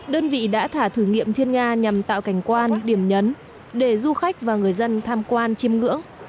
đơn vị đã thả thử nghiệm thiên nga nhằm tạo cảnh quan điểm nhấn để du khách và người dân tham quan chiêm ngưỡng